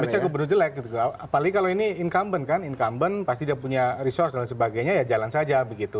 baca gubernur jelek gitu apalagi kalau ini incumbent kan incumbent pasti dia punya resource dan sebagainya ya jalan saja begitu